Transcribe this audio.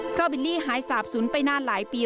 เพราะบิลลี่หายสาบศูนย์ไปนานหลายปี